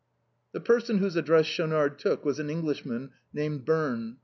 The person whose address Schaunard took was an Eng lishman, named Birno.